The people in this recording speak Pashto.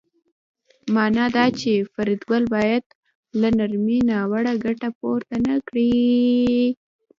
مانا دا چې فریدګل باید له نرمۍ ناوړه ګټه پورته نکړي